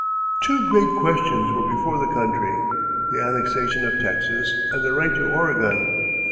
Two great questions were before the country: the annexation of Texas and the right to Oregon.